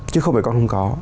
chứ không phải con không có